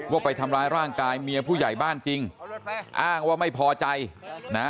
ว่าไปทำร้ายร่างกายเมียผู้ใหญ่บ้านจริงอ้างว่าไม่พอใจนะ